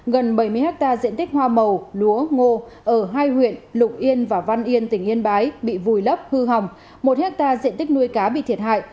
gần bảy mươi hectare diện tích hoa màu lúa ngô ở hai huyện lục yên và văn yên tỉnh yên bái bị vùi lấp hư hỏng một hectare diện tích nuôi cá bị thiệt hại